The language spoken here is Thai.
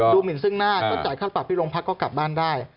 หมินซึ่งหน้าต้องจ่ายค่าปรับที่โรงพักก็กลับบ้านได้